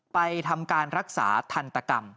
ไปทำการรักษาทันตกรรม